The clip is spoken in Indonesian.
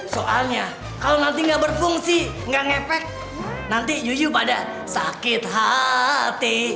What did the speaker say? soalnya kalau nanti gak berfungsi gak ngepek nanti yuyu pada sakit hati